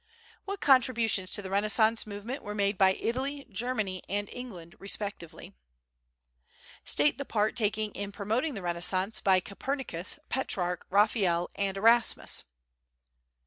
What contributions to the Renaissance movement were made by Italy, Germany and England respectively? State the part taken in promoting the Renaissance by Copernicus, Petrarch, Raphael and Erasmus.